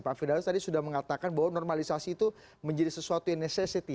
pak firdaus tadi sudah mengatakan bahwa normalisasi itu menjadi sesuatu yang necessity